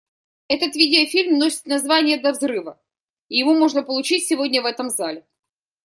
Этот видеофильм носит название «До взрыва», и его можно получить сегодня в этом зале.